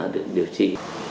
được điều trị